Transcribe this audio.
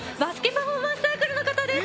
パフォーマンスサークルの方です。